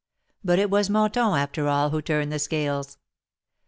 But it was Mouton after all who turned the scales.